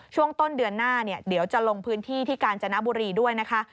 ช่วงต้นเดือนหน้าเนี่ยเดี๋ยวจะลงพื้นที่ที่กาญจนบุรีด้วยนะคะ